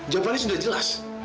jawabannya sudah jelas